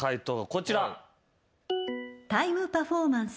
こちら。